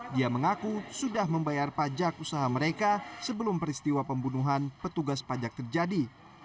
dia mengaku sudah membayar pajak usaha mereka sebelum peristiwa pembunuhan petugas pajak terjadi